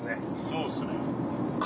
そうですね。